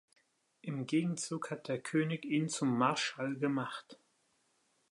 Im Gegenzug hat der König ihn zum Marschall gemacht.